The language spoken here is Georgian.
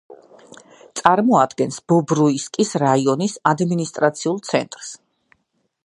წარმოადგენს ბობრუისკის რაიონის ადმინისტრაციულ ცენტრს.